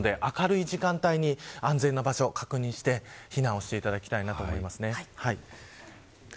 明るい時間帯に安全な場所を確認して避難をしていただきたいと思います。